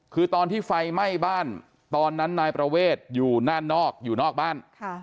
คือตอนที่ไฟไหม้บ้านตอนนั้นนายประเวทอยู่ด้านนอกอยู่นอกบ้าน